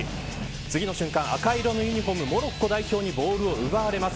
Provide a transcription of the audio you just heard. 次の瞬間、赤いユニホームモロッコ代表にボールを奪われます。